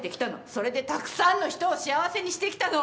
それでたくさんの人を幸せにしてきたの。